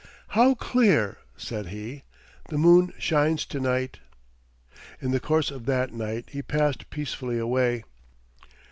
"How clear," said he, "the moon shines to night." In the course of that night he passed peacefully away.